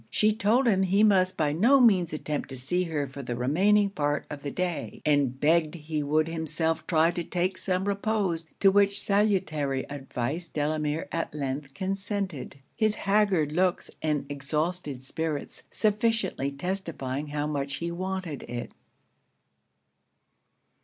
She told him he must by no means attempt to see her for the remaining part of the day, and begged he would himself try to take some repose: to which salutary advice Delamere at length consented; his haggard looks and exhausted spirits sufficiently testifying how much he wanted it.